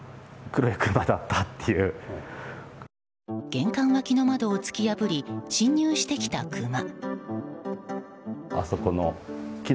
玄関脇の窓を突き破り侵入してきたクマ。